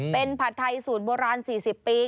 เป็นผัดไทยสูตรโบราณ๔๐ปี